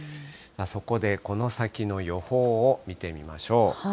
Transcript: そこでこの先の予報を見てみましょう。